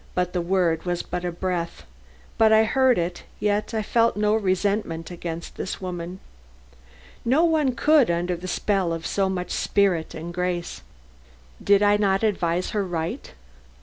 The word was but a breath, but I heard it Yet I felt no resentment against this woman. No one could, under the spell of so much spirit and grace. "Did I not advise her right?"